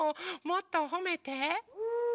もっとほめて。